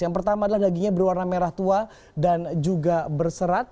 yang pertama adalah dagingnya berwarna merah tua dan juga berserat